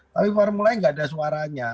tapi formulanya nggak ada suaranya